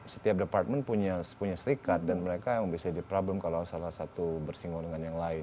setiap department punya serikat dan mereka yang bisa jadi problem kalau salah satu bersinggung dengan yang lain